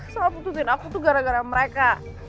salah putusin aku tuh gara gara mereka